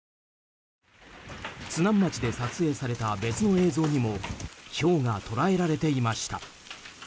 津南町で撮影された別の映像にもひょうが捉えられていました。